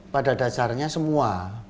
pada dasarnya semua